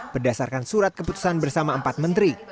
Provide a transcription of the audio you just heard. berdasarkan surat keputusan bersama empat menteri